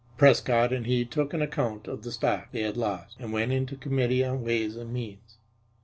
Prescott and he took an account of the stock they had lost and went into committee on ways and means.